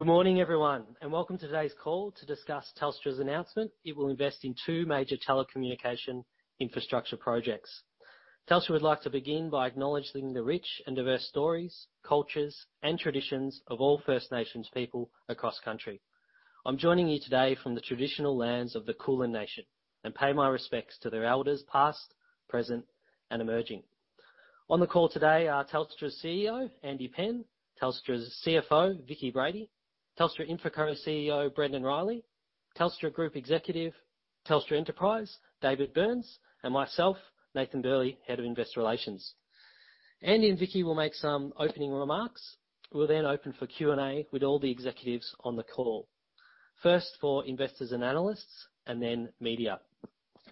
Good morning, everyone, and welcome to today's call to discuss Telstra's announcement. It will invest in two major telecommunication infrastructure projects. Telstra would like to begin by acknowledging the rich and diverse stories, cultures, and traditions of all First Nations people across country. I'm joining you today from the traditional lands of the Kulin Nation, and pay my respects to their elders, past, present, and emerging. On the call today are Telstra's CEO, Andrew Penn, Telstra's CFO, Vicki Brady, Telstra InfraCo CEO, Brendan Riley, Telstra Group Executive, Telstra Enterprise, David Burns, and myself, Nathan Burley, Head of Investor Relations. Andy and Vicki will make some opening remarks. We'll then open for Q&A with all the executives on the call, first for investors and analysts, and then media.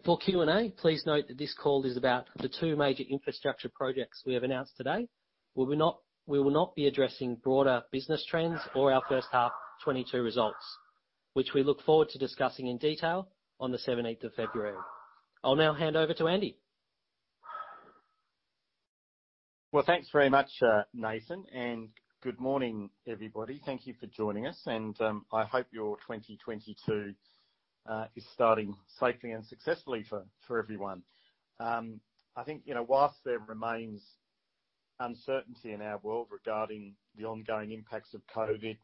For Q&A, please note that this call is about the two major infrastructure projects we have announced today. We will not, we will not be addressing broader business trends or our first half 2022 results, which we look forward to discussing in detail on the seventeenth of February. I'll now hand over to Andy. Well, thanks very much, Nathan, and good morning, everybody. Thank you for joining us, and, I hope your 2022 is starting safely and successfully for, for everyone. I think, you know, while there remains uncertainty in our world regarding the ongoing impacts of COVID,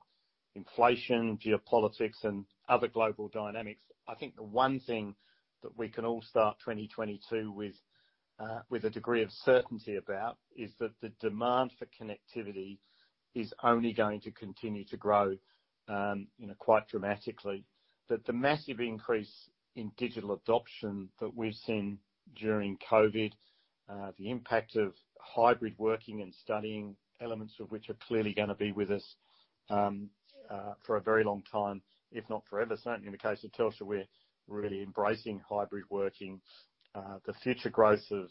inflation, geopolitics, and other global dynamics, I think the one thing that we can all start 2022 with, with a degree of certainty about, is that the demand for connectivity is only going to continue to grow, you know, quite dramatically. That the massive increase in digital adoption that we've seen during COVID, the impact of hybrid working and studying, elements of which are clearly gonna be with us, for a very long time, if not forever. Certainly, in the case of Telstra, we're really embracing hybrid working. The future growth of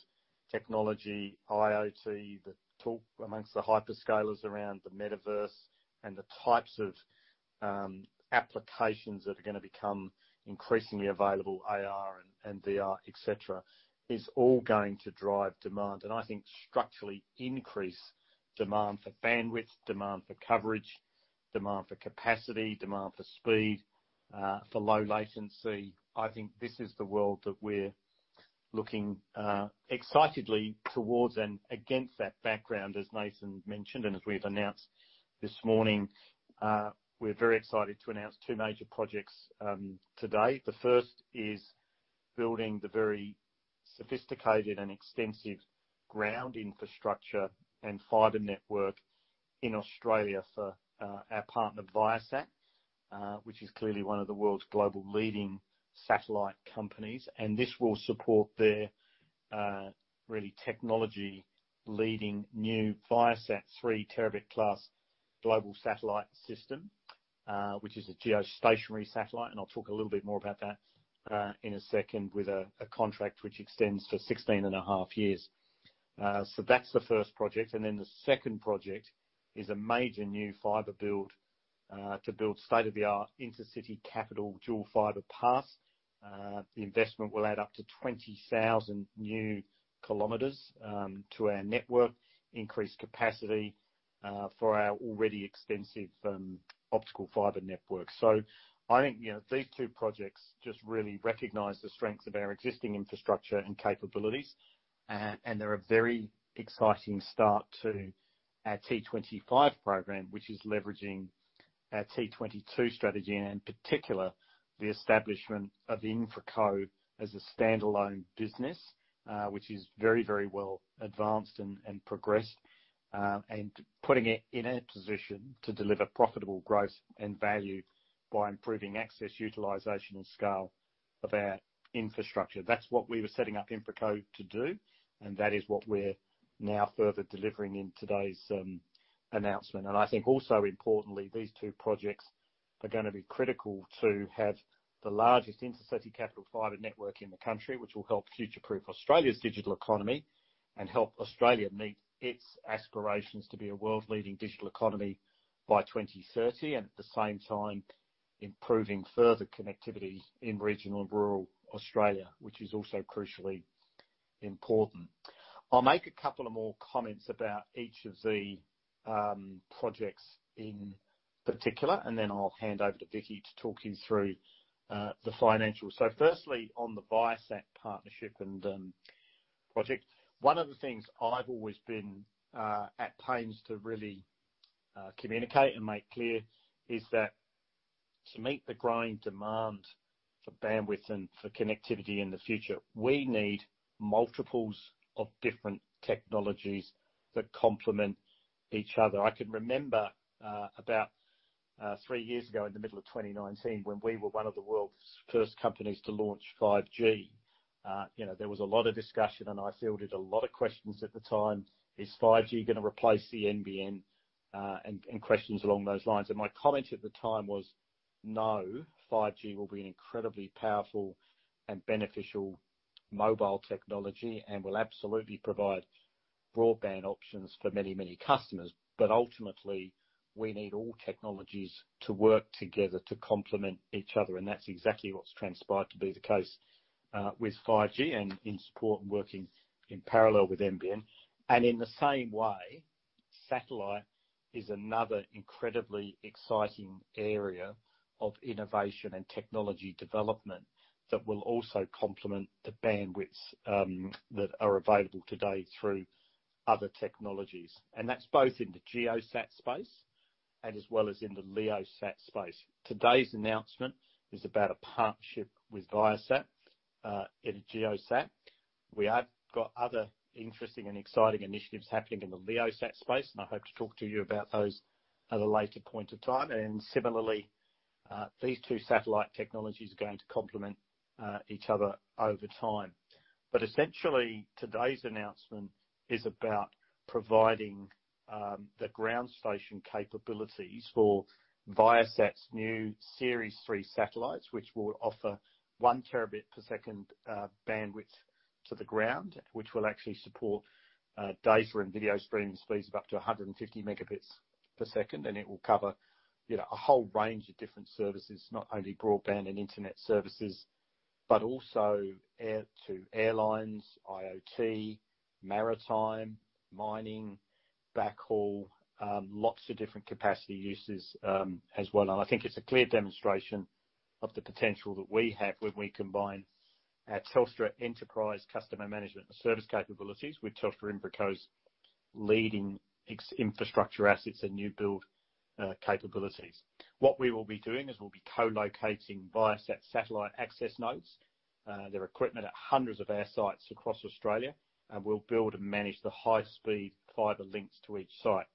technology, IoT, the talk amongst the hyperscalers around the metaverse and the types of applications that are gonna become increasingly available, AR and, and VR, et cetera, is all going to drive demand, and I think structurally increase demand for bandwidth, demand for coverage, demand for capacity, demand for speed, for low latency. I think this is the world that we're looking excitedly towards. And against that background, as Nathan mentioned, and as we've announced this morning, we're very excited to announce two major projects today. The first is building the very sophisticated and extensive ground infrastructure and fiber network in Australia for our partner, Viasat, which is clearly one of the world's global leading satellite companies. This will support their really technology-leading new Viasat-3 terabit-class global satellite system, which is a geostationary satellite, and I'll talk a little bit more about that in a second, with a contract which extends for 16.5 years. That's the first project, and then the second project is a major new fiber build to build state-of-the-art intercity capital dual fiber paths. The investment will add up to 20,000 new kilometers to our network, increase capacity for our already extensive optical fiber network. So I think, you know, these two projects just really recognize the strengths of our existing infrastructure and capabilities, and they're a very exciting start to our T25 program, which is leveraging our T22 strategy, and in particular, the establishment of InfraCo as a standalone business, which is very, very well advanced and progressed. And putting it in a position to deliver profitable growth and value by improving access, utilization, and scale of our infrastructure. That's what we were setting up InfraCo to do, and that is what we're now further delivering in today's announcement. I think also importantly, these two projects are gonna be critical to have the largest intercity capital fiber network in the country, which will help future-proof Australia's digital economy and help Australia meet its aspirations to be a world-leading digital economy by 2030, and at the same time, improving further connectivity in regional and rural Australia, which is also crucially important. I'll make a couple of more comments about each of the projects in particular, and then I'll hand over to Vicki to talk you through the financials. Firstly, on the Viasat partnership and project, one of the things I've always been at pains to really communicate and make clear is that to meet the growing demand for bandwidth and for connectivity in the future, we need multiples of different technologies that complement each other. I can remember, about, three years ago, in the middle of 2019, when we were one of the world's first companies to launch 5G. You know, there was a lot of discussion, and I fielded a lot of questions at the time: "Is 5G gonna replace the NBN?" And questions along those lines. And my comment at the time was, "No, 5G will be an incredibly powerful and beneficial mobile technology and will absolutely provide broadband options for many, many customers, but ultimately, we need all technologies to work together to complement each other." And that's exactly what's transpired to be the case, with 5G and in support and working in parallel with NBN. And in the same way, satellite is another incredibly exciting area of innovation and technology development that will also complement the bandwidths, that are available today through other technologies. That's both in the GEOSAT space and as well as in the LEOSAT space. Today's announcement is about a partnership with Viasat in GEOSAT. We have got other interesting and exciting initiatives happening in the LEOSAT space, and I hope to talk to you about those at a later point in time. Similarly, these two satellite technologies are going to complement each other over time. But essentially, today's announcement is about providing the ground station capabilities for Viasat's new Viasat-3 satellites, which will offer 1 Tbps bandwidth to the ground, which will actually support data and video streaming speeds of up to 150 Mbps, and it will cover, you know, a whole range of different services, not only broadband and internet services, but also air to airlines, IoT, maritime, mining, backhaul, lots of different capacity uses, as well. And I think it's a clear demonstration of the potential that we have when we combine our Telstra Enterprise customer management and service capabilities with Telstra InfraCo's leading existing infrastructure assets and new build capabilities. What we will be doing is we'll be co-locating Viasat satellite access nodes, their equipment at hundreds of our sites across Australia, and we'll build and manage the high-speed fiber links to each site.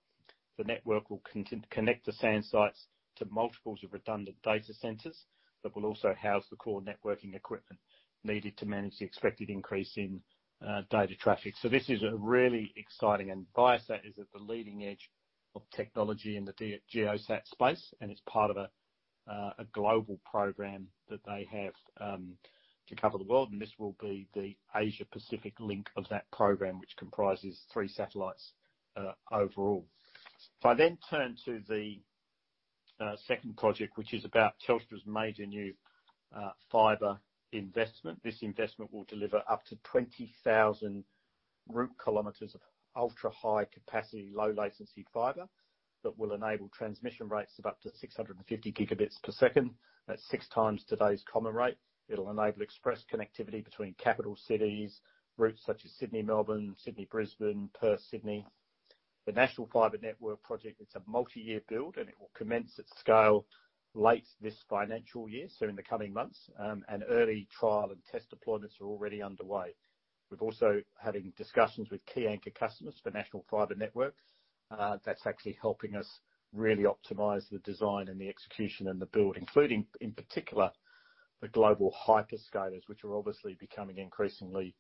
The network will connect the SAN sites to multiples of redundant data centers, that will also house the core networking equipment needed to manage the expected increase in data traffic. So this is a really exciting. And Viasat is at the leading edge of technology in the GEO-SAT space, and it's part of a global program that they have to cover the world, and this will be the Asia Pacific link of that program, which comprises three satellites overall. If I then turn to the second project, which is about Telstra's major new fiber investment. This investment will deliver up to 20,000 route kilometers of ultra-high capacity, low latency fiber, that will enable transmission rates of up to 650 gigabits per second. That's 6 times today's common rate. It'll enable express connectivity between capital cities, routes such as Sydney, Melbourne, Sydney, Brisbane, Perth, Sydney. The National Fiber Network project, it's a multi-year build, and it will commence at scale late this financial year, so in the coming months, and early trial and test deployments are already underway. We're also having discussions with key anchor customers for National Fiber Network. That's actually helping us really optimize the design and the execution and the build, including, in particular, the global hyperscalers, which are obviously becoming increasingly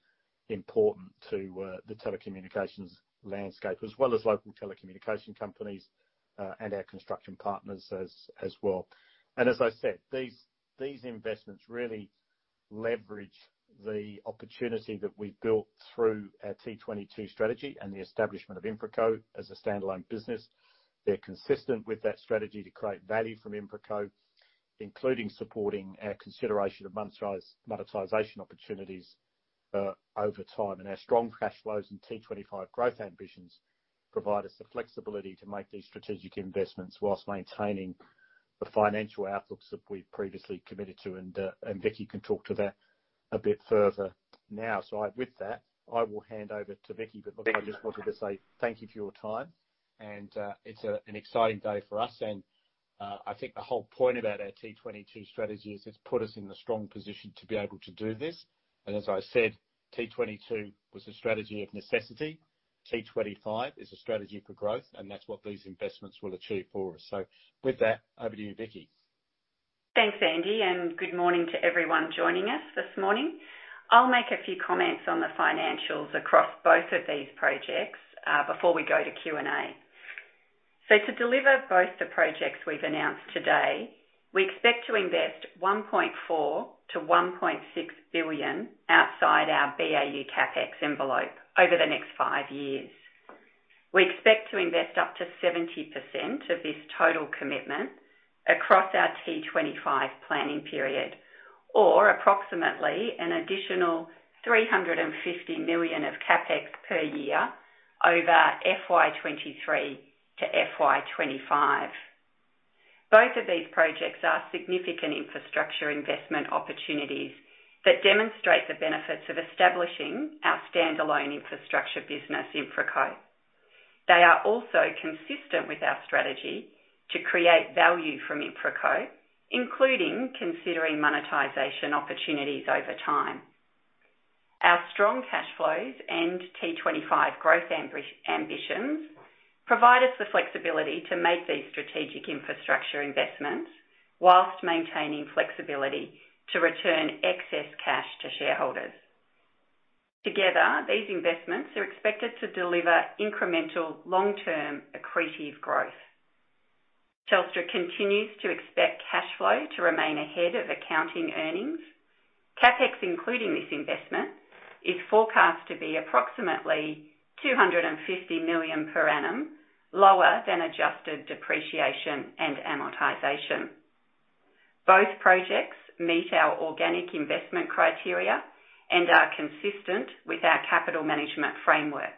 important to the telecommunications landscape, as well as local telecommunication companies, and our construction partners as well. And as I said, these investments really leverage the opportunity that we've built through our T22 strategy and the establishment of InfraCo as a standalone business. They're consistent with that strategy to create value from InfraCo, including supporting our consideration of monetization opportunities over time. And our strong cash flows and T25 growth ambitions provide us the flexibility to make these strategic investments while maintaining the financial outlooks that we've previously committed to. And Vicki can talk to that a bit further now. So with that, I will hand over to Vicki. But look, I just wanted to say thank you for your time, and it's an exciting day for us, and I think the whole point about our T22 strategy is it's put us in a strong position to be able to do this. As I said, T22 was a strategy of necessity. T25 is a strategy for growth, and that's what these investments will achieve for us. With that, over to you, Vicki. Thanks, Andy, and good morning to everyone joining us this morning. I'll make a few comments on the financials across both of these projects before we go to Q&A. To deliver both the projects we've announced today, we expect to invest 1.4 billion-1.6 billion outside our BAU CapEx envelope over the next 5 years. We expect to invest up to 70% of this total commitment across our T25 planning period, or approximately an additional 350 million of CapEx per year over FY 2023 to FY 2025. Both of these projects are significant infrastructure investment opportunities that demonstrate the benefits of establishing our standalone infrastructure business, InfraCo. They are also consistent with our strategy to create value from InfraCo, including considering monetization opportunities over time. Our strong cash flows and T25 growth ambitions provide us the flexibility to make these strategic infrastructure investments while maintaining flexibility to return excess cash to shareholders. Together, these investments are expected to deliver incremental long-term accretive growth. Telstra continues to expect cash flow to remain ahead of accounting earnings. CapEx, including this investment, is forecast to be approximately 250 million per annum, lower than adjusted depreciation and amortization. Both projects meet our organic investment criteria and are consistent with our capital management framework,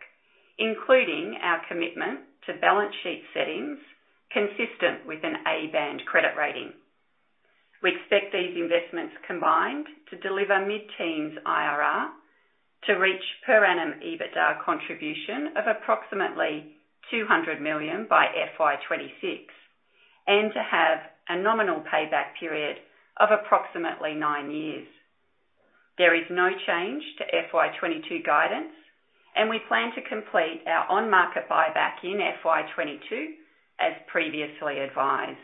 including our commitment to balance sheet settings consistent with an A-band credit rating. We expect these investments combined to deliver mid-teens IRR to reach per annum EBITDA contribution of approximately 200 million by FY 2026, and to have a nominal payback period of approximately nine years. There is no change to FY 2022 guidance, and we plan to complete our on-market buyback in FY 2022, as previously advised.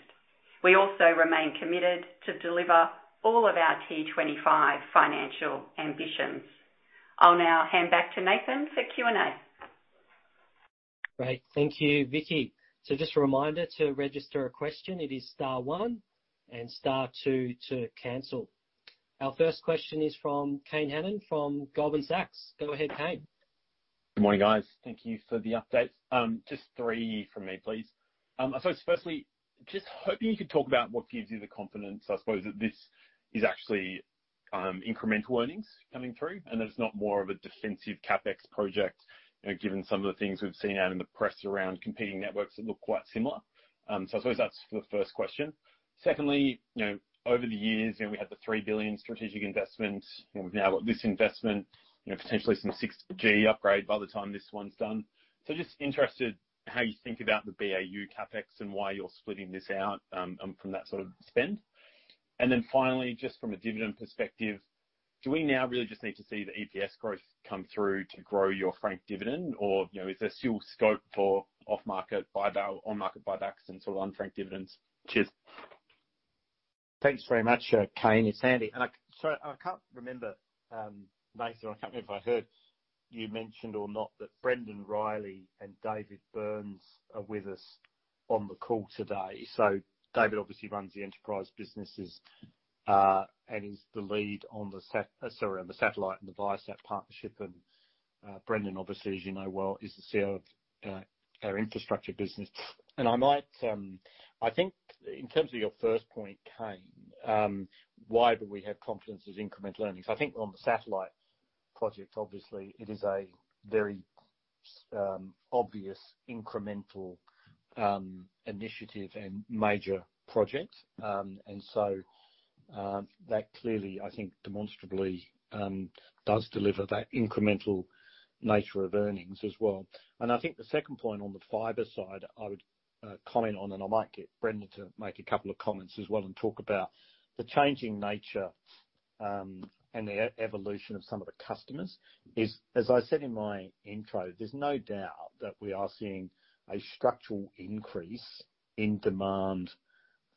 We also remain committed to deliver all of our T25 financial ambitions. I'll now hand back to Nathan for Q&A. Great. Thank you, Vicki. So just a reminder, to register a question it is star one, and star two to cancel. Our first question is from Kane Hannan, from Goldman Sachs. Go ahead, Kane. Good morning, guys. Thank you for the update. Just three from me, please. I suppose firstly, just hoping you could talk about what gives you the confidence, I suppose, that this is actually incremental earnings coming through, and that it's not more of a defensive CapEx project, you know, given some of the things we've seen out in the press around competing networks that look quite similar. So I suppose that's for the first question. Secondly, you know, over the years, you know, we had the 3 billion strategic investment, and we've now got this investment, you know, potentially some 6G upgrade by the time this one's done. So just interested how you think about the BAU CapEx and why you're splitting this out from that sort of spend. Then finally, just from a dividend perspective, do we now really just need to see the EPS growth come through to grow your franked dividend? Or, you know, is there still scope for off-market buyback, on-market buybacks and sort of unfranked dividends? Cheers. Thanks very much, Kane. It's Andy. And sorry, I can't remember, Nathan, I can't remember if I heard you mention or not, that Brendan Riley and David Burns are with us on the call today. So David obviously runs the enterprise businesses, and he's the lead on the satellite and the Viasat partnership. And, Brendan, obviously, as you know well, is the CEO of our infrastructure business. And I might, I think in terms of your first point, Kane, why do we have confidence as incremental earnings? I think on the satellite project, obviously, it is a very obvious incremental initiative and major project. And so, that clearly, I think, demonstrably does deliver that incremental nature of earnings as well. And I think the second point on the fiber side, I would comment on, and I might get Brendan to make a couple of comments as well, and talk about the changing nature and the evolution of some of the customers. As I said in my intro, there's no doubt that we are seeing a structural increase in demand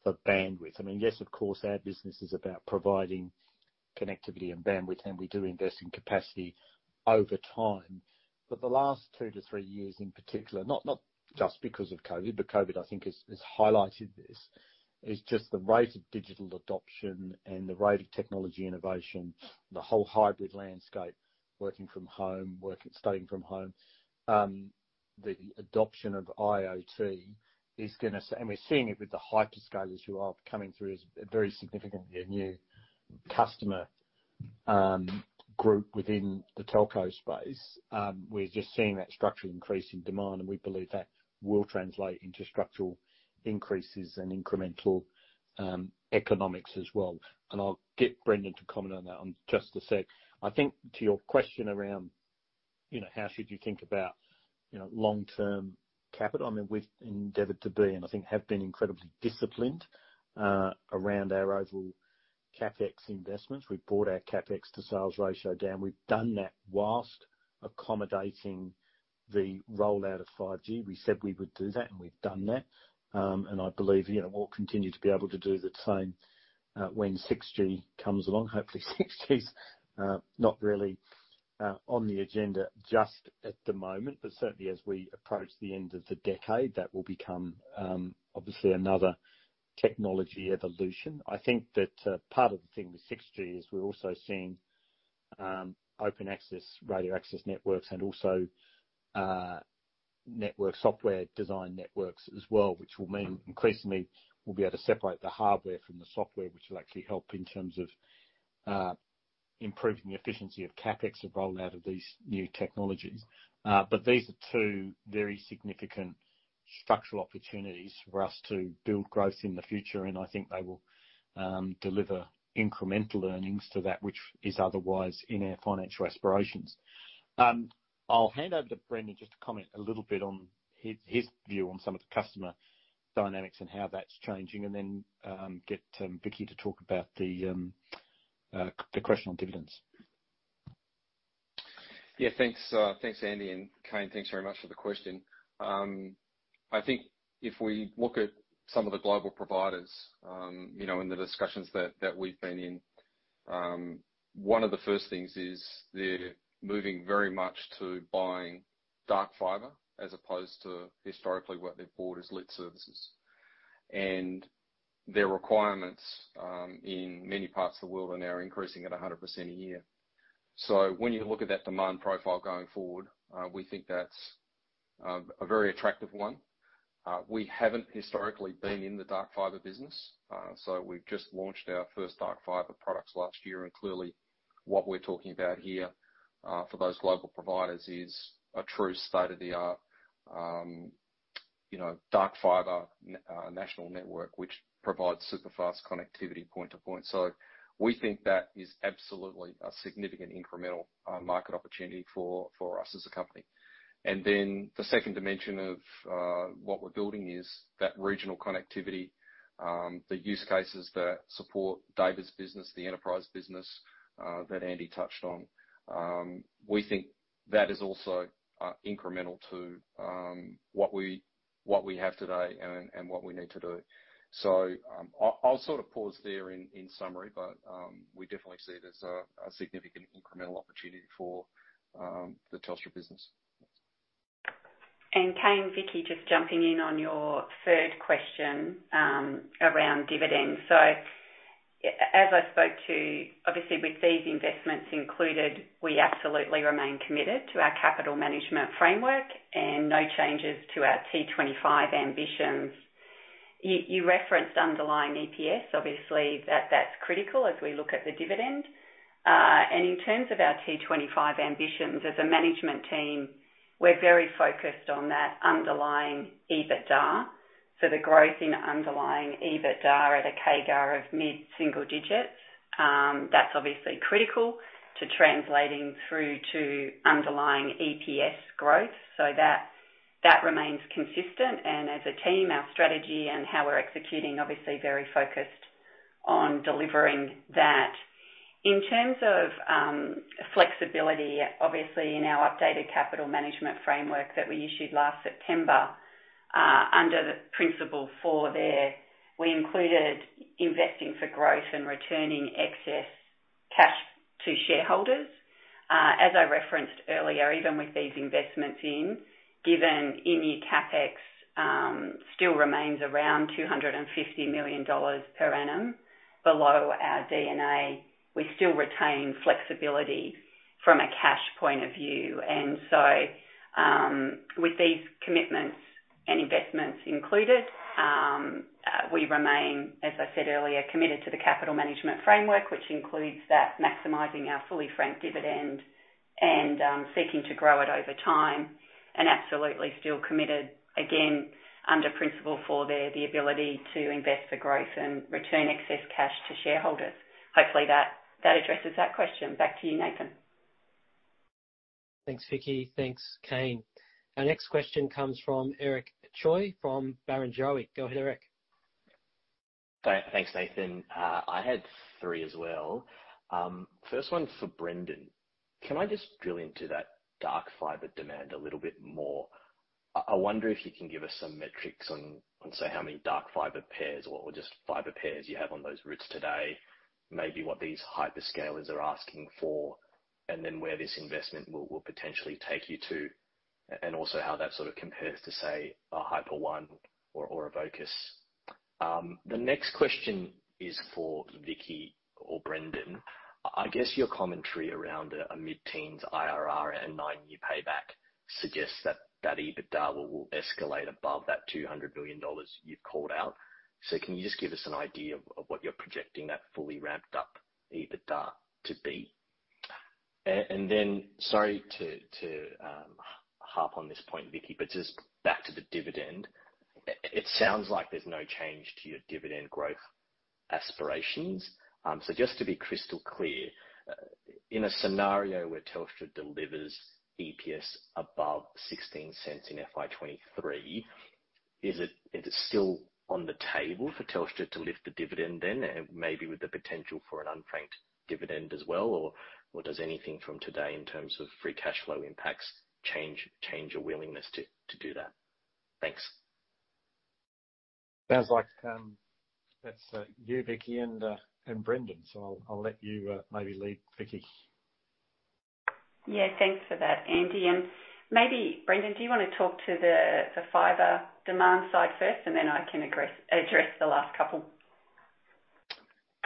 for bandwidth. I mean, yes, of course, our business is about providing connectivity and bandwidth, and we do invest in capacity over time. But the last 2-3 years in particular, not just because of COVID, but COVID I think has highlighted this, is just the rate of digital adoption and the rate of technology innovation, the whole hybrid landscape, working from home, working studying from home. The adoption of IoT is gonna and we're seeing it with the hyperscalers who are coming through as a very significantly a new customer group within the telco space. We're just seeing that structural increase in demand, and we believe that will translate into structural increases and incremental economics as well. I'll get Brendan to comment on that in just a sec. I think to your question around, you know, how should you think about, you know, long-term capital? I mean, we've endeavored to be, and I think have been incredibly disciplined around our overall CapEx investments. We've brought our CapEx to sales ratio down. We've done that whilst accommodating the rollout of 5G. We said we would do that, and we've done that. And I believe, you know, we'll continue to be able to do the same, when 6G comes along. Hopefully, 6G's not really on the agenda just at the moment, but certainly as we approach the end of the decade, that will become obviously another technology evolution. I think that part of the thing with 6G is we're also seeing open access radio access networks and also network software design networks as well, which will mean increasingly we'll be able to separate the hardware from the software, which will actually help in terms of improving the efficiency of CapEx and rollout of these new technologies. But these are two very significant structural opportunities for us to build growth in the future, and I think they will deliver incremental earnings to that which is otherwise in our financial aspirations. I'll hand over to Brendan just to comment a little bit on his, his view on some of the customer dynamics and how that's changing, and then get Vicki to talk about the question on dividends. Yeah, thanks, thanks, Andy, and Kane, thanks very much for the question. I think if we look at some of the global providers, you know, in the discussions that we've been in, one of the first things is they're moving very much to buying dark fiber as opposed to historically what they've bought as lit services. And their requirements in many parts of the world are now increasing at 100% a year. So when you look at that demand profile going forward, we think that's-... a very attractive one. We haven't historically been in the dark fiber business, so we've just launched our first dark fiber products last year, and clearly, what we're talking about here, for those global providers, is a true state-of-the-art, you know, dark fiber national network, which provides super fast connectivity point to point. So we think that is absolutely a significant incremental market opportunity for us as a company. And then the second dimension of what we're building is that regional connectivity, the use cases that support David's business, the enterprise business, that Andy touched on. We think that is also incremental to what we have today and what we need to do. So, I'll sort of pause there in summary, but we definitely see it as a significant incremental opportunity for the Telstra business. And Kane, Vicki, just jumping in on your third question, around dividends. So as I spoke to-- obviously, with these investments included, we absolutely remain committed to our capital management framework and no changes to our T25 ambitions. You referenced underlying EPS, obviously, that's critical as we look at the dividend. And in terms of our T25 ambitions, as a management team, we're very focused on that underlying EBITDA. So the growth in underlying EBITDA at a CAGR of mid-single digits, that's obviously critical to translating through to underlying EPS growth, so that remains consistent, and as a team, our strategy and how we're executing, obviously very focused on delivering that. In terms of flexibility, obviously, in our updated capital management framework that we issued last September, under the principle four there, we included investing for growth and returning excess cash to shareholders. As I referenced earlier, even with these investments, given any CapEx, still remains around 250 million dollars per annum below our D&A, we still retain flexibility from a cash point of view. And so, with these commitments and investments included, we remain, as I said earlier, committed to the capital management framework, which includes that maximizing our fully franked dividend and, seeking to grow it over time, and absolutely still committed, again, under principle four there, the ability to invest for growth and return excess cash to shareholders. Hopefully, that addresses that question. Back to you, Nathan. Thanks, Vicki. Thanks, Kane. Our next question comes from Eric Choi from Barrenjoey. Go ahead, Eric. Thanks, Nathan. I had three as well. First one for Brendan. Can I just drill into that dark fiber demand a little bit more? I wonder if you can give us some metrics on, say, how many dark fiber pairs or just fiber pairs you have on those routes today, maybe what these hyperscalers are asking for, and then where this investment will potentially take you to, and also how that sort of compares to, say, a HyperOne or a Vocus. The next question is for Vicki or Brendan. I guess your commentary around a mid-teens IRR and nine-year payback suggests that that EBITDA will escalate above that 200 million dollars you've called out. So can you just give us an idea of what you're projecting that fully ramped up EBITDA to be? And then sorry to harp on this point, Vicki, but just back to the dividend, it sounds like there's no change to your dividend growth aspirations. So just to be crystal clear, in a scenario where Telstra delivers EPS above 16 cents in FY 2023, is it still on the table for Telstra to lift the dividend then, and maybe with the potential for an unfranked dividend as well? Or does anything from today in terms of free cash flow impacts change your willingness to do that? Thanks. Sounds like that's you, Vicki, and Brendan, so I'll let you maybe lead, Vicki. Yeah, thanks for that, Andy. Maybe Brendan, do you wanna talk to the fiber demand side first, and then I can address the last couple?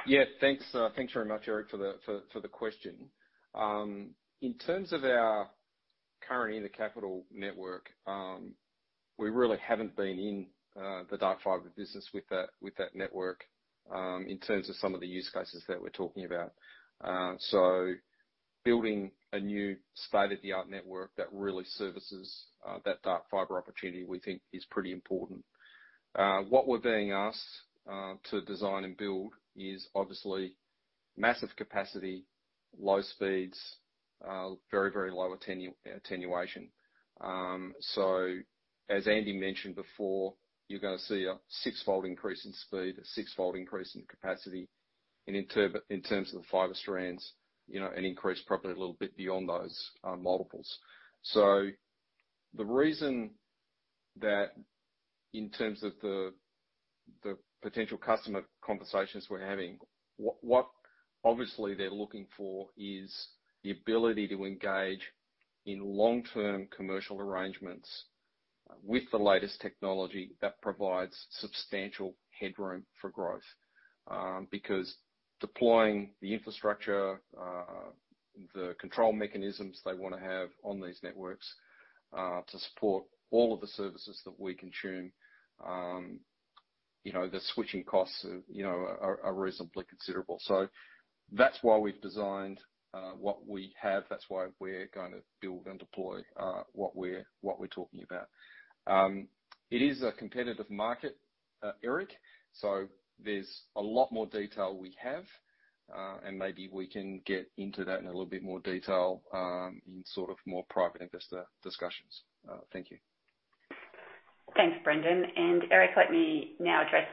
Yeah, thanks. Thanks very much, Eric, for the question. In terms of our current intercapital network, we really haven't been in the dark fiber business with that network, in terms of some of the use cases that we're talking about. So building a new state-of-the-art network that really services that dark fiber opportunity, we think is pretty important. What we're being asked to design and build is obviously massive capacity, low speeds, very, very low attenuation. So as Andy mentioned before, you're gonna see a sixfold increase in speed, a sixfold increase in capacity, and in terms of the fiber strands, you know, an increase probably a little bit beyond those multiples. So the reason that in terms of the potential customer conversations we're having, what obviously they're looking for is the ability to engage in long-term commercial arrangements with the latest technology that provides substantial headroom for growth. Because deploying the infrastructure, the control mechanisms they wanna have on these networks, to support all of the services that we consume, you know, the switching costs, you know, are reasonably considerable. So that's why we've designed what we have. That's why we're going to build and deploy what we're talking about. It is a competitive market, Eric, so there's a lot more detail we have, and maybe we can get into that in a little bit more detail, in sort of more private investor discussions. Thank you. Thanks, Brendan, and Eric, let me now address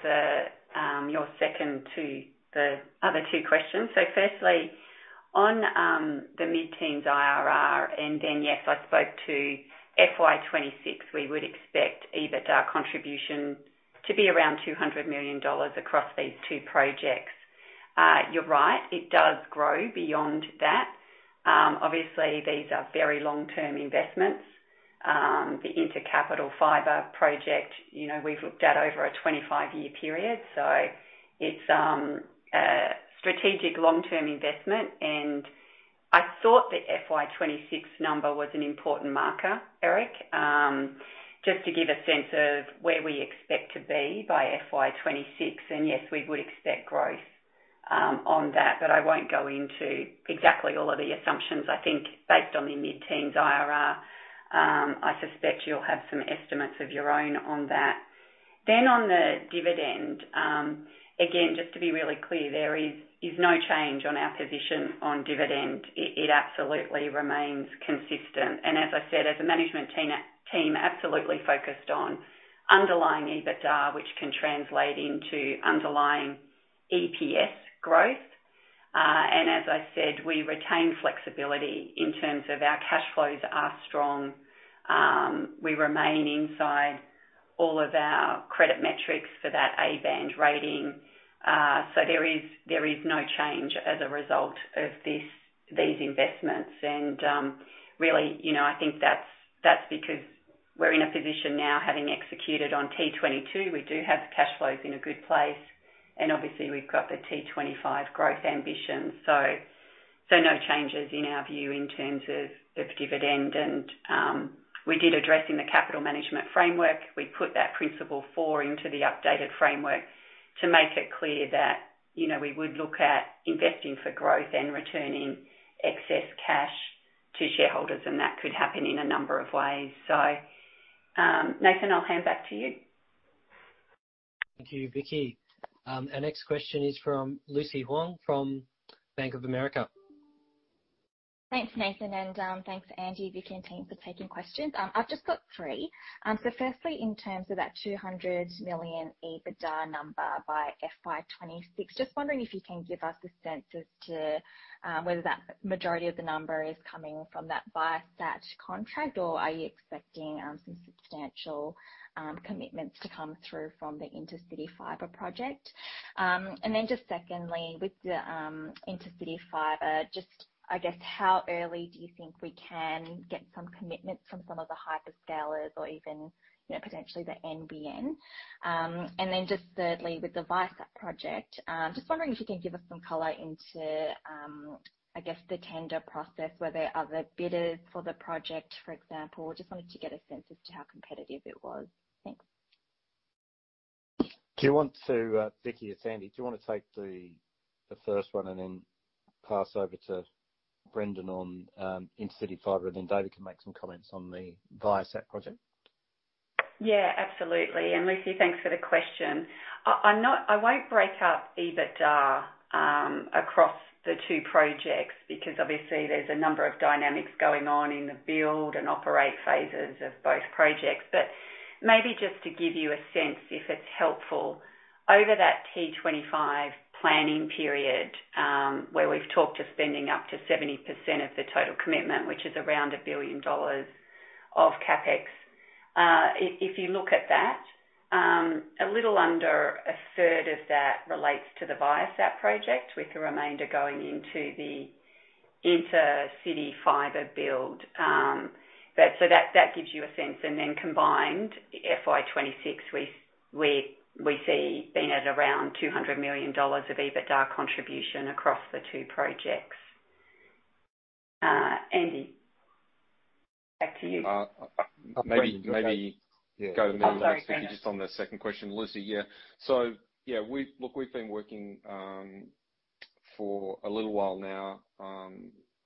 your second to the other two questions. So firstly, on the mid-teens IRR, and then, yes, I spoke to FY 2026, we would expect EBITDA contribution to be around 200 million dollars across these two projects. You're right, it does grow beyond that. Obviously, these are very long-term investments. The Intercity Fiber project, you know, we've looked at over a 25-year period, so it's a strategic long-term investment. And I thought the FY 2026 number was an important marker, Eric, just to give a sense of where we expect to be by FY 2026. And yes, we would expect growth on that, but I won't go into exactly all of the assumptions. I think based on the mid-teens IRR, I suspect you'll have some estimates of your own on that. Then on the dividend, again, just to be really clear, there is no change on our position on dividend. It absolutely remains consistent, and as I said, as a management team, absolutely focused on underlying EBITDA, which can translate into underlying EPS growth. And as I said, we retain flexibility in terms of our cash flows are strong. We remain inside all of our credit metrics for that A band rating. So there is no change as a result of these investments. And, really, you know, I think that's because we're in a position now, having executed on T22, we do have the cash flows in a good place, and obviously, we've got the T25 growth ambition. So no changes in our view in terms of dividend. We did address in the capital management framework, we put that principle four into the updated framework to make it clear that, you know, we would look at investing for growth and returning excess cash to shareholders, and that could happen in a number of ways. So, Nathan, I'll hand back to you. Thank you, Vicki. Our next question is from Lucy Huang from Bank of America. Thanks, Nathan, and thanks, Angie, Vicki, and team, for taking questions. I've just got three. So firstly, in terms of that 200 million EBITDA number by FY 2026, just wondering if you can give us a sense as to whether that majority of the number is coming from that Viasat contract, or are you expecting some substantial commitments to come through from the Intercity Fiber project? And then just secondly, with the Intercity Fiber, just I guess, how early do you think we can get some commitments from some of the hyperscalers or even, you know, potentially the NBN? And then just thirdly, with the Viasat project, just wondering if you can give us some color into, I guess, the tender process. Were there other bidders for the project, for example? Just wanted to get a sense as to how competitive it was. Thanks. Do you want to, Vicki or Sandy, do you want to take the, the first one and then pass over to Brendan on Intercity Fiber, and then David can make some comments on the Viasat project? Yeah, absolutely. And Lucy, thanks for the question. I'm not—I won't break up EBITDA across the two projects, because obviously there's a number of dynamics going on in the build and operate phases of both projects. But maybe just to give you a sense, if it's helpful, over that T25 planning period, where we've talked of spending up to 70% of the total commitment, which is around 1 billion dollars of CapEx, if you look at that, a little under a third of that relates to the Viasat project, with the remainder going into the Intercity Fiber build. But so that gives you a sense, and then combined, FY 2026, we see being at around 200 million dollars of EBITDA contribution across the two projects. Andy, back to you. Maybe go to me- Oh, sorry, Brendan. Just on the second question, Lucy. Yeah. So yeah, we've—look, we've been working for a little while now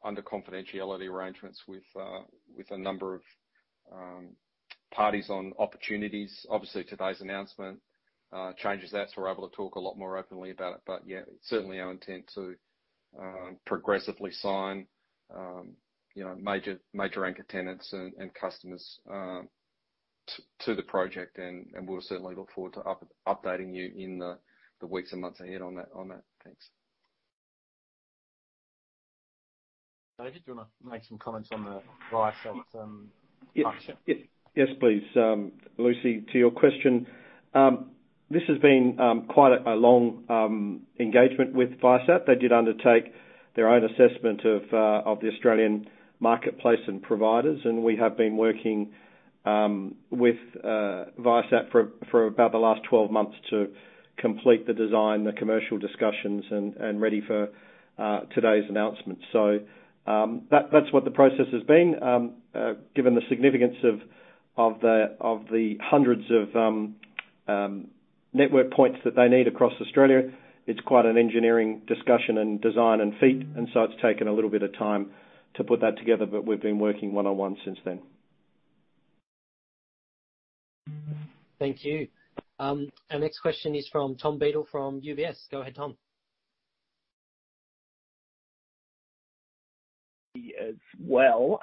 under confidentiality arrangements with a number of parties on opportunities. Obviously, today's announcement changes that, so we're able to talk a lot more openly about it. But yeah, certainly our intent to progressively sign, you know, major, major anchor tenants and customers to the project. And we'll certainly look forward to updating you in the weeks and months ahead on that. Thanks. David, do you wanna make some comments on the Viasat partnership? Yes. Yes, please. Lucy, to your question—This has been quite a long engagement with Viasat. They did undertake their own assessment of the Australian marketplace and providers, and we have been working with Viasat for about the last 12 months to complete the design, the commercial discussions, and ready for today's announcement. So, that, that's what the process has been. Given the significance of the hundreds of network points that they need across Australia, it's quite an engineering discussion and design and feat, and so it's taken a little bit of time to put that together, but we've been working one-on-one since then. Thank you. Our next question is from Tom Beedle from UBS. Go ahead, Tom. As well,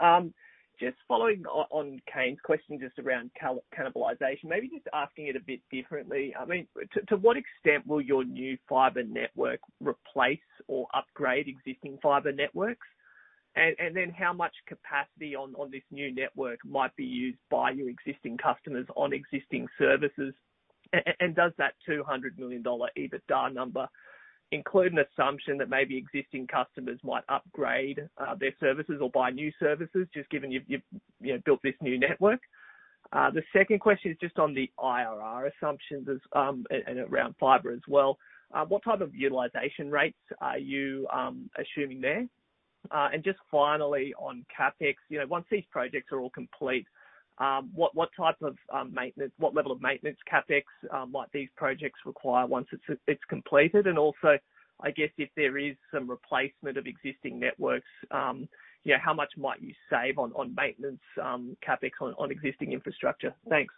just following on Kane's question, just around cannibalization, maybe just asking it a bit differently. I mean, to what extent will your new fiber network replace or upgrade existing fiber networks? And then how much capacity on this new network might be used by your existing customers on existing services? And does that 200 million dollar EBITDA number include an assumption that maybe existing customers might upgrade their services or buy new services, just given you've you know built this new network? The second question is just on the IRR assumptions and around fiber as well. What type of utilization rates are you assuming there? And just finally, on CapEx, you know, once these projects are all complete, what type of maintenance—what level of maintenance CapEx might these projects require once it's completed? And also, I guess if there is some replacement of existing networks, you know, how much might you save on maintenance CapEx on existing infrastructure? Thanks.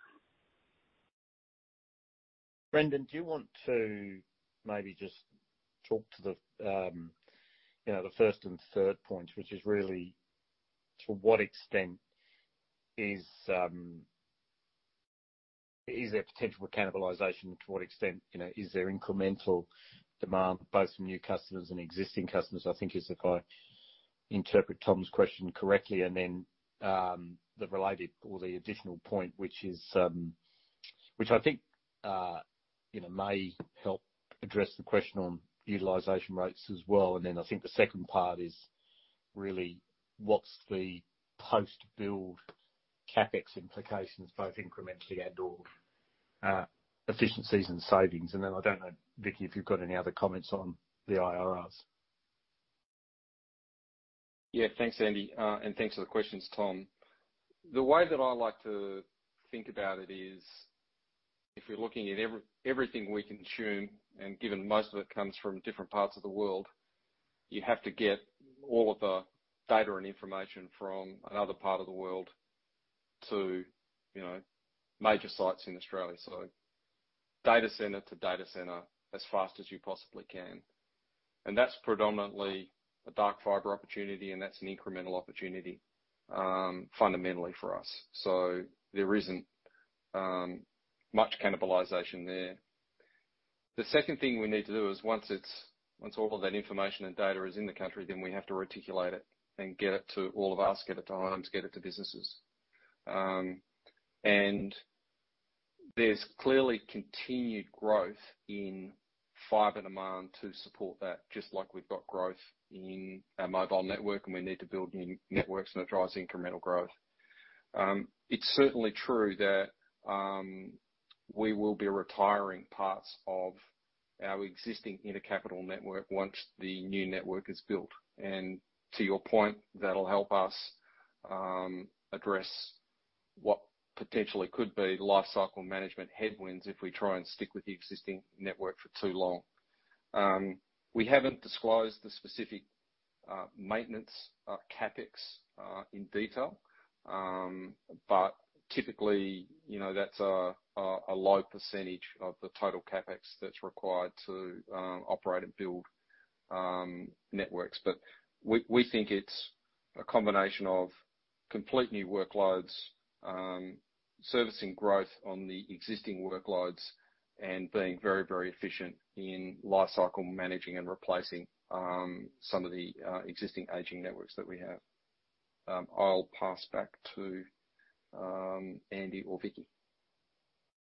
Brendan, do you want to maybe just talk to the, you know, the first and third points, which is really to what extent is there potential for cannibalization? And to what extent, you know, is there incremental demand, both from new customers and existing customers, I think is, if I interpret Tom's question correctly, and then, the related or the additional point, which is, which I think, you know, may help address the question on utilization rates as well. And then I think the second part is really: What's the post-build CapEx implications, both incrementally and/or, efficiencies and savings? And then I don't know, Vicki, if you've got any other comments on the IRRs. Yeah. Thanks, Andy. And thanks for the questions, Tom. The way that I like to think about it is, if you're looking at everything we consume, and given most of it comes from different parts of the world, you have to get all of the data and information from another part of the world to, you know, major sites in Australia. So data center to data center, as fast as you possibly can. And that's predominantly a dark fiber opportunity, and that's an incremental opportunity, fundamentally for us. So there isn't much cannibalization there. The second thing we need to do is once all of that information and data is in the country, then we have to reticulate it and get it to all of us, get it to homes, get it to businesses. And there's clearly continued growth in fiber demand to support that, just like we've got growth in our mobile network, and we need to build new networks, and that drives incremental growth. It's certainly true that we will be retiring parts of our existing intercapital network once the new network is built. And to your point, that'll help us address what potentially could be life cycle management headwinds if we try and stick with the existing network for too long. We haven't disclosed the specific maintenance CapEx in detail, but typically, you know, that's a low percentage of the total CapEx that's required to operate and build networks. But we, we think it's a combination of complete new workloads, servicing growth on the existing workloads, and being very, very efficient in life cycle managing and replacing, some of the, existing aging networks that we have. I'll pass back to, Andy or Vicki.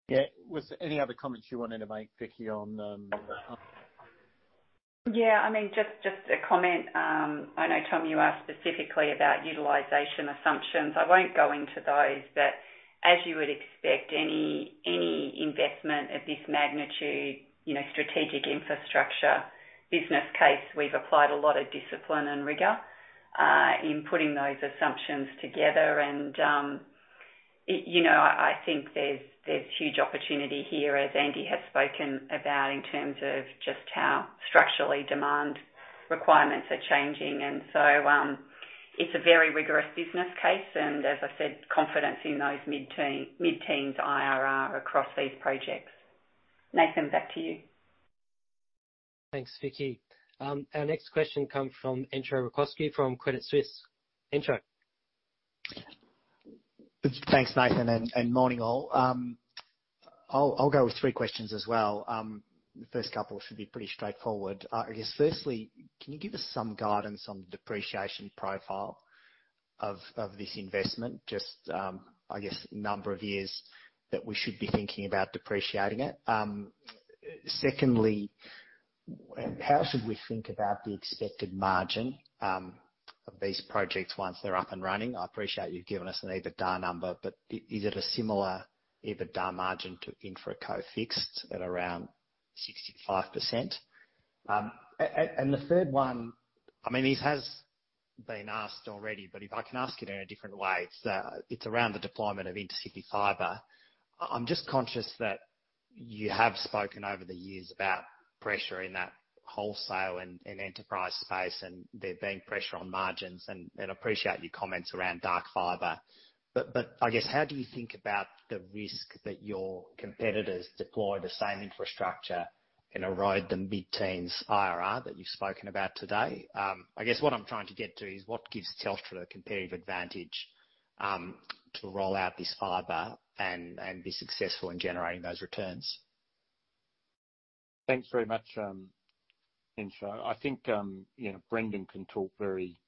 Yeah. Was there any other comments you wanted to make, Vicki, on? Yeah, I mean, just, just a comment. I know, Tom, you asked specifically about utilization assumptions. I won't go into those, but as you would expect, any, any investment of this magnitude, you know, strategic infrastructure business case, we've applied a lot of discipline and rigor in putting those assumptions together. And you know, I think there's huge opportunity here, as Andy has spoken about, in terms of just how structurally demand requirements are changing. And so, it's a very rigorous business case, and as I said, confidence in those mid-teens IRR across these projects. Nathan, back to you. Thanks, Vicki. Our next question comes from Entcho Raykovski from Credit Suisse. Andre? Thanks, Nathan, and morning, all. I'll go with three questions as well. The first couple should be pretty straightforward. I guess firstly, can you give us some guidance on the depreciation profile of this investment, just, I guess, number of years that we should be thinking about depreciating it? Secondly, how should we think about the expected margin of these projects once they're up and running? I appreciate you've given us an EBITDA number, but is it a similar EBITDA margin to InfraCo fixed at around 65%? And the third one, I mean, this has been asked already, but if I can ask it in a different way. It's around the deployment of intercity fiber. I'm just conscious that you have spoken over the years about pressure in that wholesale and enterprise space, and there being pressure on margins, and I appreciate your comments around dark fiber. But I guess, how do you think about the risk that your competitors deploy the same infrastructure and erode the mid-teens IRR that you've spoken about today? I guess what I'm trying to get to is, what gives Telstra a competitive advantage to roll out this fiber and be successful in generating those returns? Thanks very much, Enzo. I think, you know, Brendan can talk very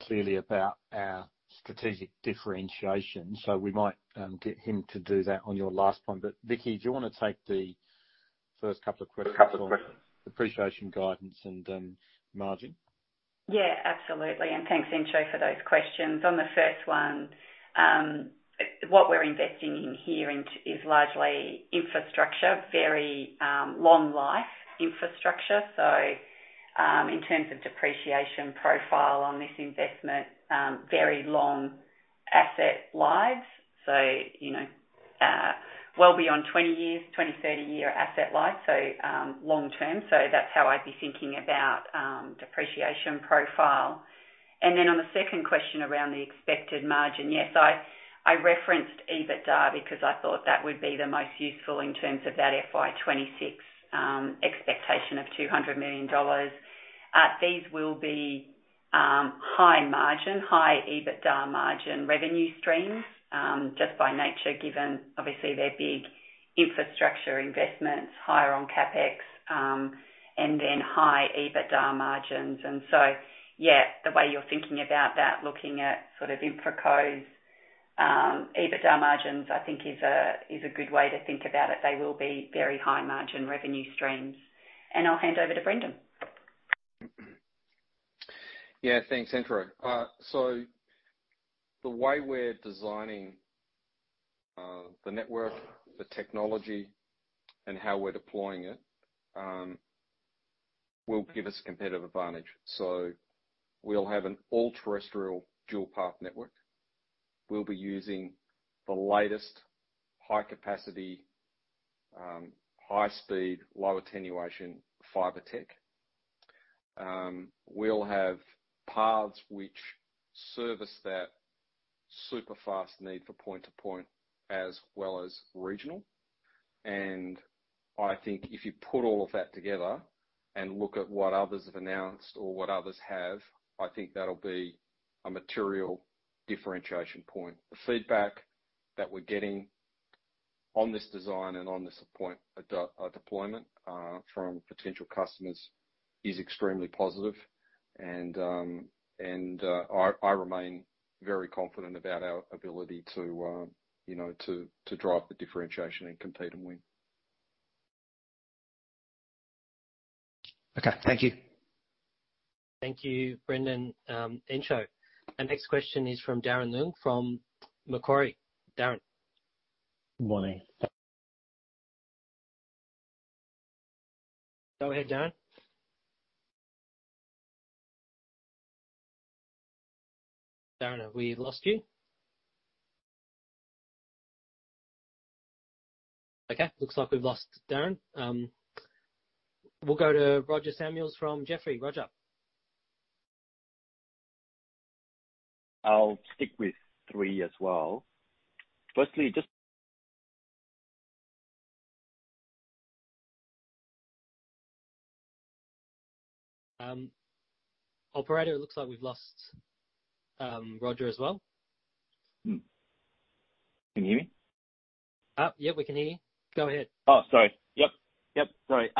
clearly about our strategic differentiation, so we might get him to do that on your last point. But Vicki, do you want to take the first couple of questions- Couple of questions. - depreciation guidance and, margin? Yeah, absolutely. And thanks, Enzo, for those questions. On the first one, what we're investing in here is largely infrastructure, very long life infrastructure. So, in terms of depreciation profile on this investment, very long asset lives. So, you know, well beyond 20 years, 20-30 year asset life, so long term. So that's how I'd be thinking about depreciation profile. And then on the second question around the expected margin, yes, I referenced EBITDA because I thought that would be the most useful in terms of that FY 2026 expectation of 200 million dollars. These will be high margin, high EBITDA margin revenue streams, just by nature, given obviously their big infrastructure investments, higher on CapEx, and then high EBITDA margins. So, yeah, the way you're thinking about that, looking at sort of InfraCo's EBITDA margins, I think is a good way to think about it. They will be very high margin revenue streams. I'll hand over to Brendan. Yeah. Thanks, Enzo. So the way we're designing the network, the technology, and how we're deploying it will give us competitive advantage. So we'll have an all-terrestrial dual-path network. We'll be using the latest high capacity, high speed, low attenuation fiber tech. We'll have paths which service that super fast need for point-to-point as well as regional. And I think if you put all of that together and look at what others have announced or what others have, I think that'll be a material differentiation point. The feedback that we're getting on this design and on this point, deployment from potential customers is extremely positive, and I remain very confident about our ability to you know to drive the differentiation and compete and win. Okay. Thank you. Thank you, Brendan, Enzo. Our next question is from Darren Ng, from Macquarie. Darren. Good morning. Go ahead, Darren. Darren, have we lost you? Okay, looks like we've lost Darren. We'll go to Roger Samuel from Jefferies. Roger. I'll stick with three as well. Firstly, just- Operator, it looks like we've lost Roger as well. Hmm. Can you hear me? Yep, we can hear you. Go ahead. Oh, sorry. Yep. Yep, sorry.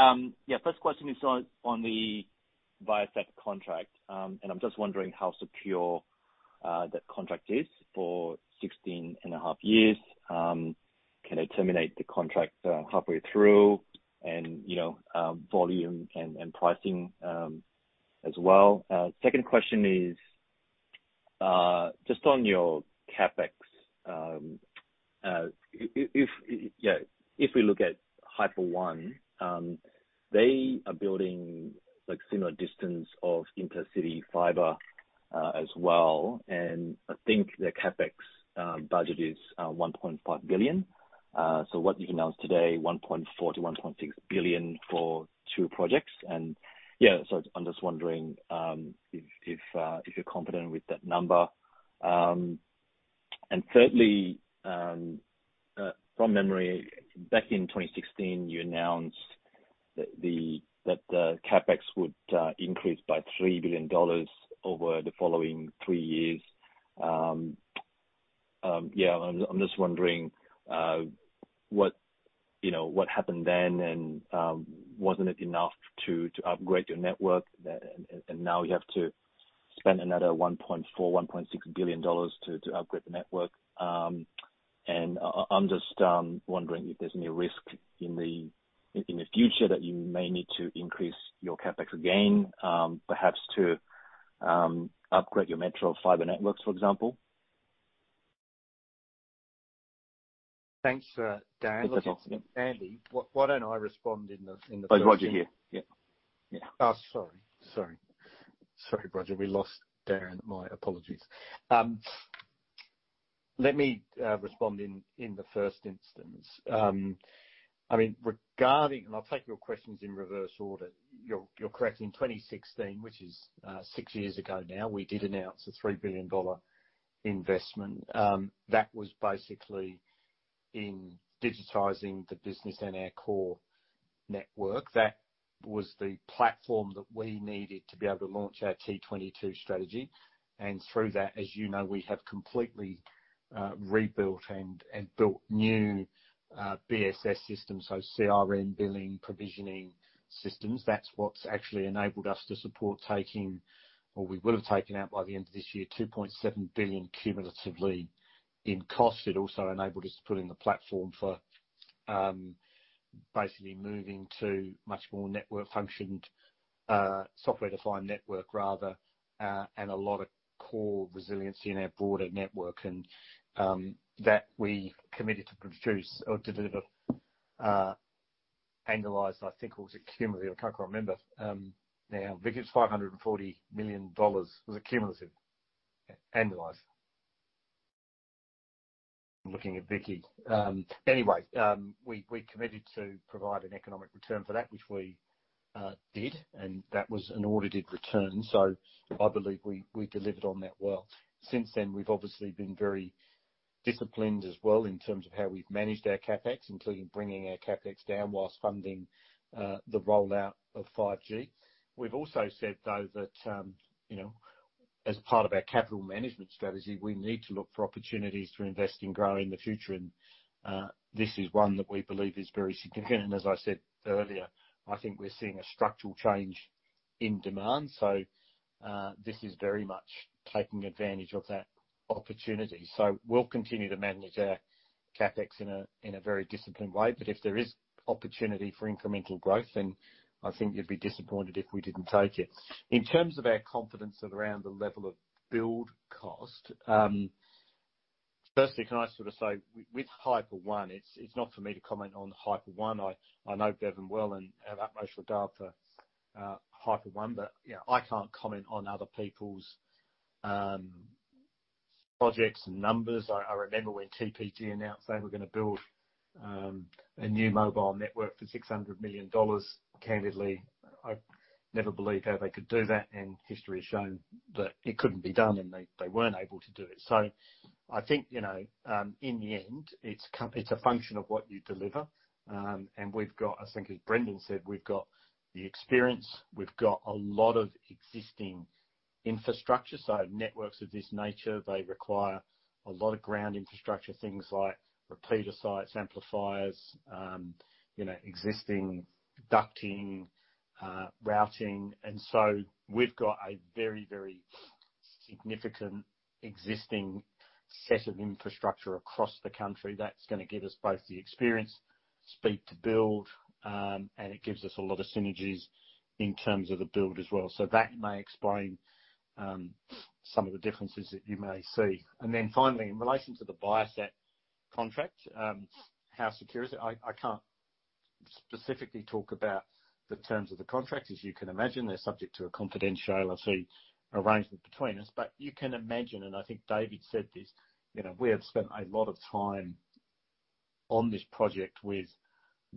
Yeah, first question is on the Viasat contract. And I'm just wondering how secure that contract is for 16.5 years. Can they terminate the contract halfway through? And, you know, volume and pricing as well. Second question is just on your CapEx. If, yeah, if we look at HyperOne, they are building like similar distance of intercity fiber as well, and I think their CapEx budget is 1.5 billion. So what you announced today, 1.4 billion-1.6 billion for two projects. And yeah, so I'm just wondering if you're confident with that number. Thirdly, from memory, back in 2016, you announced that the CapEx would increase by 3 billion dollars over the following three years. Yeah, I'm just wondering what, you know, what happened then, and wasn't it enough to upgrade your network, and now you have to spend another 1.4 billion-1.6 billion dollars to upgrade the network? And I'm just wondering if there's any risk in the future that you may need to increase your CapEx again, perhaps to upgrade your metro fiber networks, for example? Thanks, Darren. Yes, that's okay. Andy, why don't I respond in the- Oh, Roger here. Yeah. Yeah. Oh, sorry. Sorry. Sorry, Roger, we lost Darren. My apologies. Let me respond in the first instance. I mean, regarding—and I'll take your questions in reverse order. You're correct, in 2016, which is six years ago now, we did announce an 3 billion dollar investment. That was basically in digitizing the business and our core network. That was the platform that we needed to be able to launch our T22 strategy, and through that, as you know, we have completely rebuilt and built new BSS systems, so CRM, billing, provisioning systems. That's what's actually enabled us to support taking, or we will have taken out by the end of this year, 2.7 billion cumulatively in cost. It also enabled us to put in the platform for, basically moving to much more network functioned, software-defined network rather, and a lot of core resiliency in our broader network. And, that we committed to produce or deliver, annualized, I think, or was it cumulative? I can't quite remember, now. I think it's 540 million dollars. Was it cumulative? Annualized. I'm looking at Vicki. Anyway, we committed to provide an economic return for that, which we did, and that was an audited return, so I believe we delivered on that well. Since then, we've obviously been very disciplined as well in terms of how we've managed our CapEx, including bringing our CapEx down while funding the rollout of 5G. We've also said, though, that, you know, as part of our capital management strategy, we need to look for opportunities to invest in growth in the future, and, this is one that we believe is very significant. And as I said earlier, I think we're seeing a structural change in demand, so, this is very much taking advantage of that opportunity. So we'll continue to manage our CapEx in a, in a very disciplined way, but if there is opportunity for incremental growth, then I think you'd be disappointed if we didn't take it. In terms of our confidence at around the level of build cost, firstly, can I sort of say, with HyperOne, it's, it's not for me to comment on HyperOne. I know Bevan well and have utmost regard for HyperOne, but you know, I can't comment on other people's projects and numbers. I remember when TPG announced they were going to build a new mobile network for 600 million dollars. Candidly, I never believed how they could do that, and history has shown that it couldn't be done, and they weren't able to do it. So I think you know, in the end, it's a function of what you deliver. And we've got I think as Brendan said, we've got the experience, we've got a lot of existing infrastructure. So networks of this nature, they require a lot of ground infrastructure, things like repeater sites, amplifiers, you know, existing ducting, routing. And so we've got a very, very significant existing set of infrastructure across the country that's going to give us both the experience, speed to build, and it gives us a lot of synergies in terms of the build as well. So that may explain some of the differences that you may see. And then finally, in relation to the Viasat contract, how secure is it? I can't specifically talk about the terms of the contract. As you can imagine, they're subject to a confidential T&C arrangement between us. But you can imagine, and I think David said this, you know, we have spent a lot of time on this project with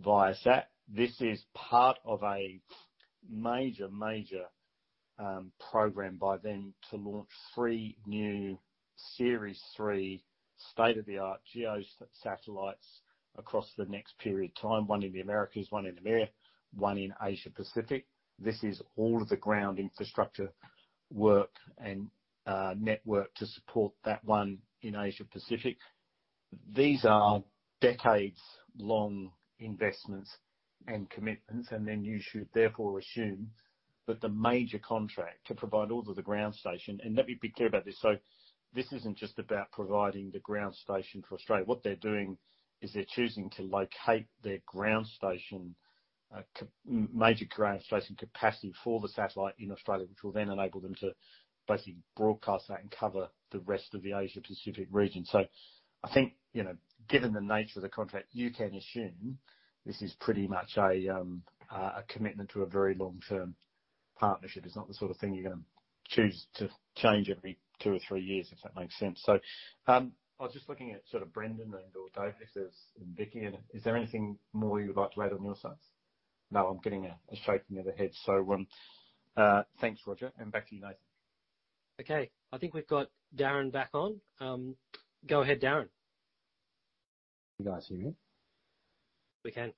Viasat. This is part of a major, major, program by them to launch three new Series 3 state-of-the-art geos satellites across the next period of time, one in the Americas, one in EMEA, one in Asia Pacific. This is all of the ground infrastructure work and, network to support that one in Asia Pacific. These are decades-long investments and commitments, and then you should therefore assume that the major contract to provide all of the ground station... Let me be clear about this: So this isn't just about providing the ground station for Australia. What they're doing is they're choosing to locate their ground station, major ground station capacity for the satellite in Australia, which will then enable them to basically broadcast that and cover the rest of the Asia Pacific region. So I think, you know, given the nature of the contract, you can assume this is pretty much a commitment to a very long-term partnership. It's not the sort of thing you're going to choose to change every two or three years, if that makes sense. So, I was just looking at sort of Brendan and or Dave, if there's... Vicki, is there anything more you'd like to add on your side? No, I'm getting a shaking of the head. So, thanks, Roger, and back to you, Nathan. Okay, I think we've got Darren back on. Go ahead, Darren.... You guys hear me? We can.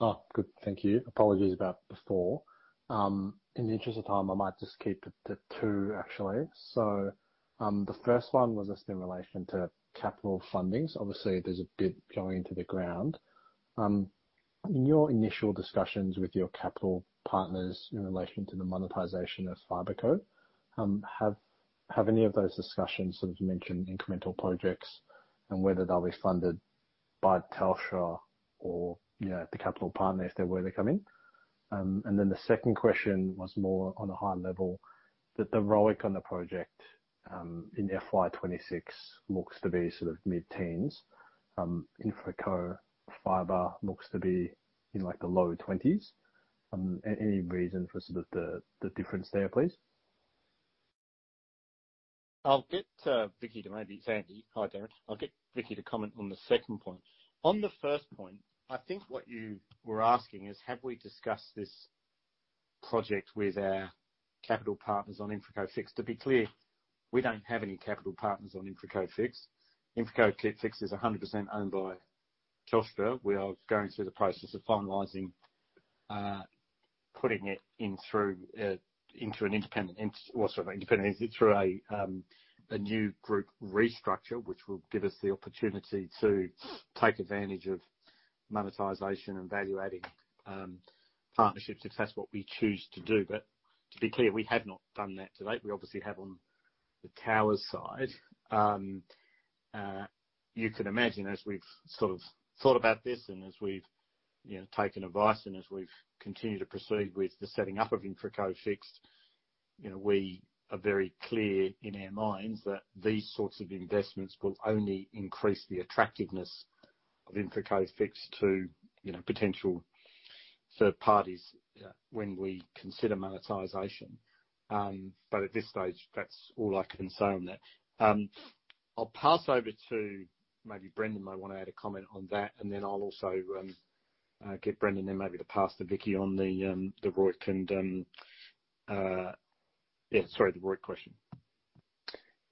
Oh, good. Thank you. Apologies about before. In the interest of time, I might just keep it to two, actually. So, the first one was just in relation to capital fundings. Obviously, there's a bit going into the ground. In your initial discussions with your capital partners in relation to the monetization of InfraCo, have any of those discussions sort of mentioned incremental projects and whether they'll be funded by Telstra or, you know, the capital partners, if they were to come in? And then the second question was more on a high level, that the ROIC on the project in FY 26 looks to be sort of mid-teens. InfraCo Fiber looks to be in, like, the low twenties. Any reason for sort of the difference there, please? I'll get Vicki to maybe— It's Andy. Hi, Darren. I'll get Vicki to comment on the second point. On the first point, I think what you were asking is: have we discussed this project with our capital partners on InfraCo Fixed? To be clear, we don't have any capital partners on InfraCo Fixed. InfraCo Fixed is 100% owned by Telstra. We are going through the process of finalizing putting it in through into an independent— well, sort of, independent, through a new group restructure, which will give us the opportunity to take advantage of monetization and value-adding partnerships, if that's what we choose to do. But to be clear, we have not done that to date. We obviously have on the tower side. You can imagine, as we've sort of thought about this and as we've, you know, taken advice and as we've continued to proceed with the setting up of InfraCo, you know, we are very clear in our minds that these sorts of investments will only increase the attractiveness of InfraCo to, you know, potential third parties when we consider monetization. But at this stage, that's all I can say on that. I'll pass over to, maybe Brendan may want to add a comment on that, and then I'll also get Brendan then maybe to pass to Vicki on the ROIC question. Yeah, sorry, the ROIC question.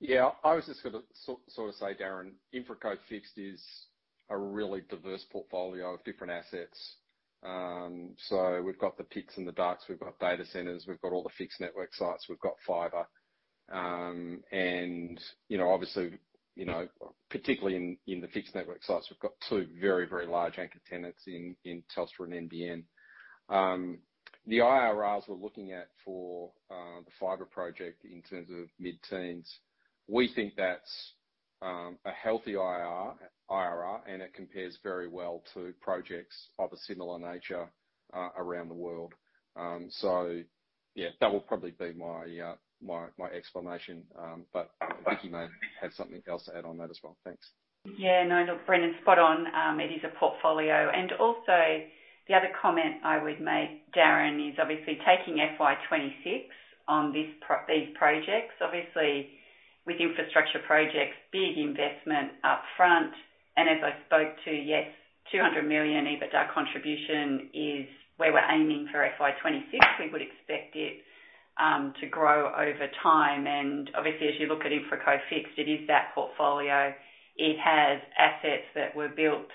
Yeah, I was just gonna sort of say, Darren, InfraCo Fixed is a really diverse portfolio of different assets. So we've got the pits and the darks, we've got data centers, we've got all the fixed network sites, we've got fiber. And, you know, obviously, you know, particularly in, in the fixed network sites, we've got two very, very large anchor tenants in, in Telstra and NBN. The IRRs we're looking at for, the fiber project in terms of mid-teens, we think that's, a healthy IRR, IRR, and it compares very well to projects of a similar nature, around the world. So yeah, that will probably be my, my, my explanation. But Vicki may have something else to add on that as well. Thanks. Yeah, no, look, Brendan, spot on. It is a portfolio. And also, the other comment I would make, Darren, is obviously taking FY 2026 on this pro- these projects, obviously, with infrastructure projects, big investment up front, and as I spoke to, yes, 200 million EBITDA contribution is where we're aiming for FY 2026. We would expect it to grow over time, and obviously, as you look at InfraCo Fixed, it is that portfolio. It has assets that were built,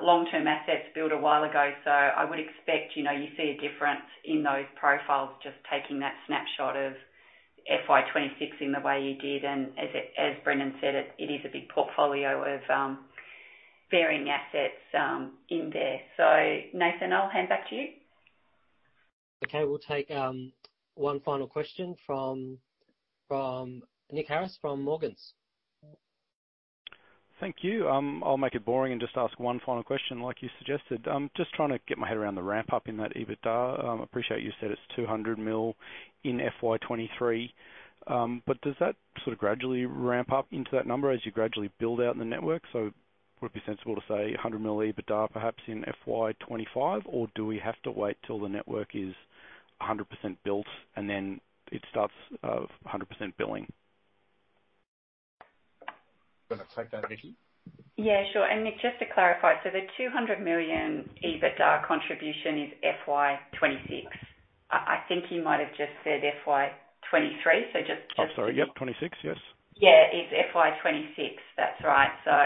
long-term assets built a while ago, so I would expect, you know, you see a difference in those profiles, just taking that snapshot of FY 2026 in the way you did. And as it- as Brendan said, it, it is a big portfolio of, varying assets, in there. So, Nathan, I'll hand back to you. Okay. We'll take one final question from Nick Harris from Morgans. Thank you. I'll make it boring and just ask one final question, like you suggested. I'm just trying to get my head around the ramp-up in that EBITDA. Appreciate you said it's 200 million in FY 2023, but does that sort of gradually ramp up into that number as you gradually build out the network? So would it be sensible to say 100 million EBITDA, perhaps in FY 2025? Or do we have to wait till the network is 100% built, and then it starts, 100% billing? Do you want to take that, Vicki? Yeah, sure. And Nick, just to clarify: so the 200 million EBITDA contribution is FY 2026. I think you might have just said FY 2023, so just- I'm sorry. Yep, 26, yes. Yeah, it's FY 26. That's right. So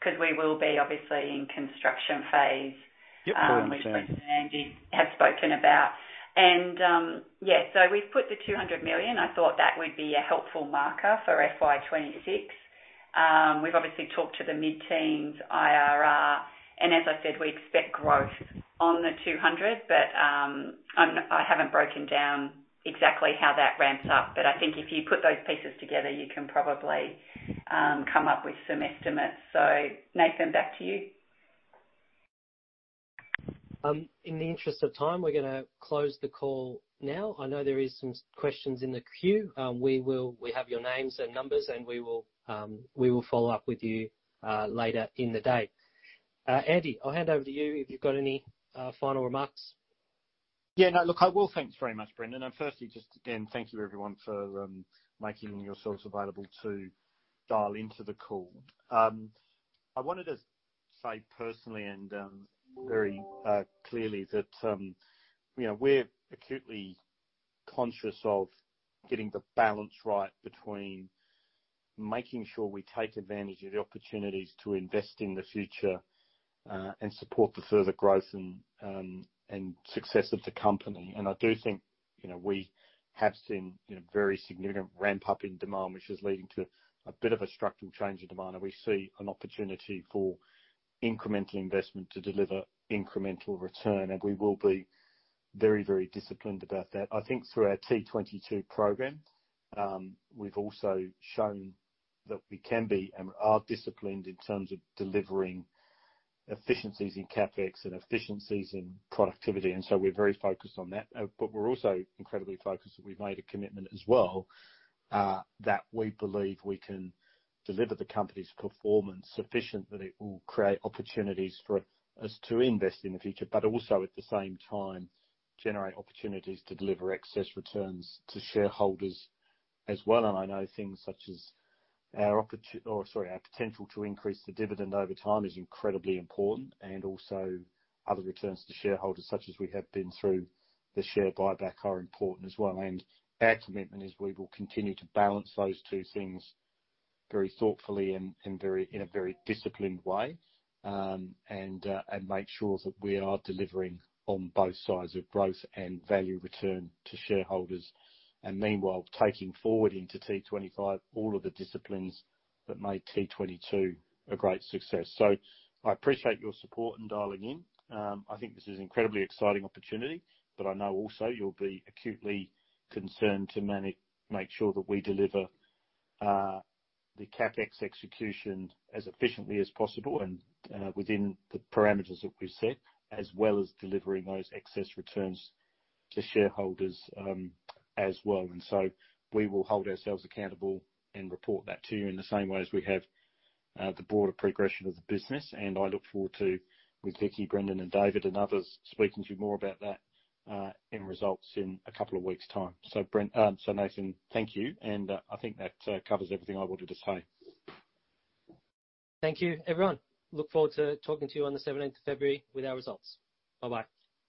because we will be obviously in construction phase- Yep, all understand.... which Brendan and Andy have spoken about. Yeah, so we've put the 200 million. I thought that would be a helpful marker for FY 2026. We've obviously talked to the mid-teens IRR, and as I said, we expect growth on the 200, but I haven't broken down exactly how that ramps up. But I think if you put those pieces together, you can probably come up with some estimates. So Nathan, back to you. In the interest of time, we're gonna close the call now. I know there is some questions in the queue. We have your names and numbers, and we will follow up with you later in the day. Andy, I'll hand over to you if you've got any final remarks. Yeah, no, look, I will. Thanks very much, Brendan. And firstly, just again, thank you, everyone, for making yourselves available to dial into the call. I wanted to say personally and very clearly that, you know, we're acutely conscious of getting the balance right between making sure we take advantage of the opportunities to invest in the future, and support the further growth and success of the company. And I do think, you know, we have seen, you know, very significant ramp-up in demand, which is leading to a bit of a structural change in demand, and we see an opportunity for incremental investment to deliver incremental return, and we will be very, very disciplined about that. I think through our T22 program, we've also shown that we can be, and are disciplined in terms of delivering efficiencies in CapEx and efficiencies in productivity, and so we're very focused on that. But we're also incredibly focused, and we've made a commitment as well, that we believe we can deliver the company's performance sufficient, that it will create opportunities for us to invest in the future, but also, at the same time, generate opportunities to deliver excess returns to shareholders as well. And I know things such as our potential to increase the dividend over time is incredibly important, and also other returns to shareholders, such as we have been through the share buyback, are important as well. And our commitment is we will continue to balance those two things very thoughtfully and in a very disciplined way, and make sure that we are delivering on both sides of growth and value return to shareholders. And meanwhile, taking forward into T'25, all of the disciplines that made T'22 a great success. So I appreciate your support in dialing in. I think this is an incredibly exciting opportunity, but I know also you'll be acutely concerned to make sure that we deliver the CapEx execution as efficiently as possible and within the parameters that we've set, as well as delivering those excess returns to shareholders, as well. And so we will hold ourselves accountable and report that to you in the same way as we have, the broader progression of the business, and I look forward to, with Vicki, Brendan, and David, and others, speaking to you more about that, in results in a couple of weeks' time. So Brendan, so Nathan, thank you, and I think that covers everything I wanted to say. Thank you, everyone. Look forward to talking to you on the seventeenth of February with our results. Bye-bye.